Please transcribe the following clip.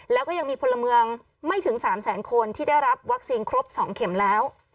แล้วก็ยังมีพลเมืองไม่ถึง๓แสนคนที่ได้รับวัคซีนครบ๒เข็มแล้ว